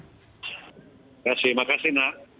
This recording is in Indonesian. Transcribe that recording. terima kasih makasih nak